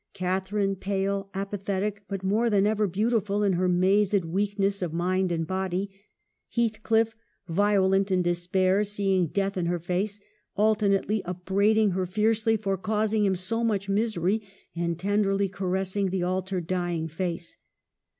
Catharine, pale, apathetic, but more than ever beautiful in her mazed weakness of mind and body ; Heath cliff, violent in despair, seeing death in her face, alternately upbraiding her fiercely for causing him so much misery, and tenderly caressing the altered, dying face.